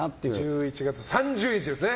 １１月３０日ですね。